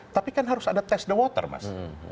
tapi kan harus ada test the water mas